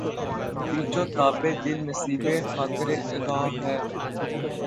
پیچ و تابِ دل نصیبِ خاطرِ آگاہ ہے